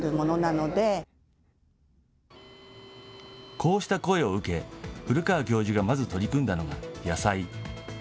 こうした声を受け、古川教授がまず取り組んだのが野菜。